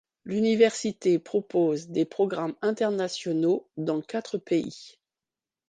L'université propose des programmes internationaux dans quatre pays.